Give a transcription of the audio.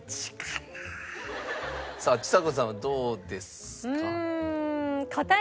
さあちさ子さんはどうですか？